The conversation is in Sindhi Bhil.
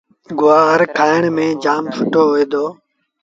گُوآر کآڻ ميݩ جآم سُٺو هوئي دو۔